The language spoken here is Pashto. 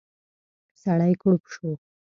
سړی کړپ شو.